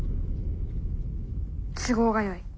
「都合がよい。